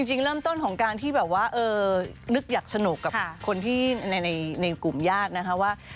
จริงเริ่มต้นของการที่แบบว่านึกอยากสนุกกับคนที่ในกลุ่มญาตินะคะว่า